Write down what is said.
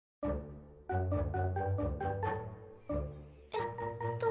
えっと。